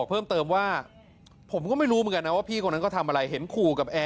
เป็นเสียงหน้าตอนเกิดเหตุละนะ